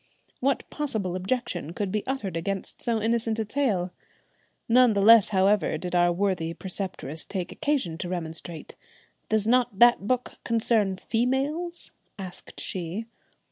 What possible objection could be uttered against so innocent a tale? None the less however did our worthy preceptress take occasion to remonstrate. "Does not that book concern females?" asked she.